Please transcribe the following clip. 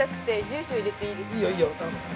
住所入れていいですか。